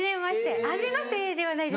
あっはじめましてではないです。